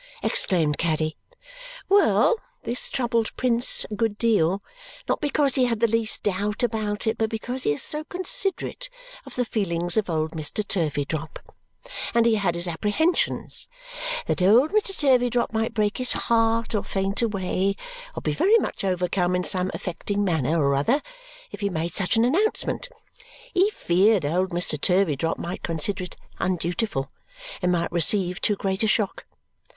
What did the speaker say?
exclaimed Caddy. "Well! This troubled Prince a good deal, not because he had the least doubt about it, but because he is so considerate of the feelings of old Mr. Turveydrop; and he had his apprehensions that old Mr. Turveydrop might break his heart, or faint away, or be very much overcome in some affecting manner or other if he made such an announcement. He feared old Mr. Turveydrop might consider it undutiful and might receive too great a shock.